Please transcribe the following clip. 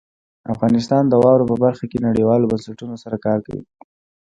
افغانستان د واوره په برخه کې نړیوالو بنسټونو سره کار کوي.